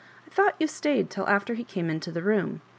I thought you stayed till after he came into the room.